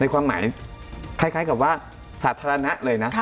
ความหมายคล้ายกับว่าสาธารณะเลยนะ